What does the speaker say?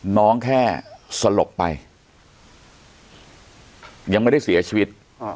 น้องแค่สลบไปยังไม่ได้เสียชีวิต